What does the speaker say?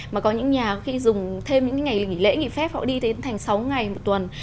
mà có những nhà khi dùng thêm những ngày nghỉ lễ nghỉ phép họ đi đến thành sáu ngày một tuần